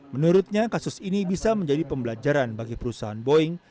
menurutnya kasus ini bisa menjadi pembelajaran bagi perusahaan boeing